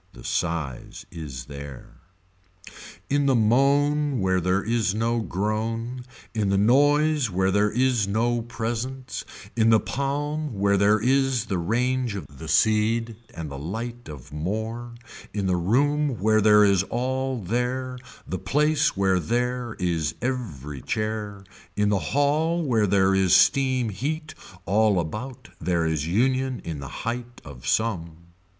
The size is there. In the moan where there is no groan, in the noise where there is no presence, in the palm where there is the range of the seed and the light of more, in the room where there is all there the place where there is every chair, in the hall where there is steam heat all about there is union in the height of some.